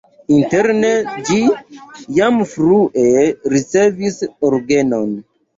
Interne ĝi jam frue ricevis orgenon.